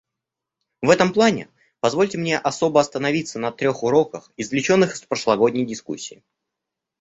В этом плане позвольте мне особо остановиться на трех уроках, извлеченных из прошлогодней дискуссии.